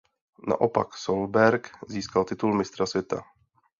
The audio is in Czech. Naopak Solberg získal titul Mistra světa.